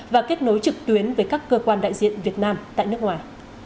hội nghị được truyền hình trực tuyến về các cơ quan đại diện việt nam tại nước ngoài